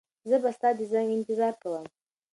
زه به ستا د زنګ انتظار کوم.